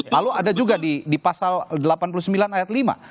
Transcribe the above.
lalu ada juga di pasal delapan puluh sembilan ayat lima